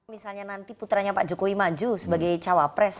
misalnya nanti putranya pak jokowi maju sebagai cawapres